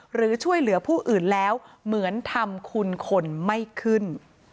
หรือช่วยเหลือผู้อื่นแล้วเหมือนทำคุณคนไม่ขึ้น